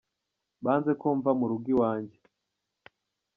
Banze ko mva mu rugo iwanjye.